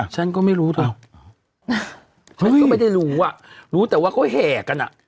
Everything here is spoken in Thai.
ฉันก็ไม่รู้เถอะฉันก็ไม่ได้รู้อ่ะรู้แต่ว่าเขาแห่กันอ่ะ